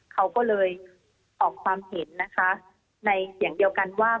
เขาก็เลยออกความเห็นนะคะในเสียงเดียวกันว่า